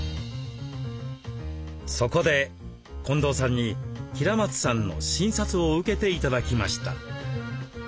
そこで近藤さんに平松さんの診察を受けて頂きました。